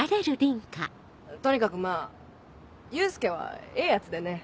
とにかくまぁ祐介はええヤツでね。